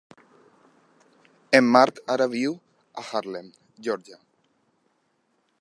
En Marc ara viu a Harlem, Georgia.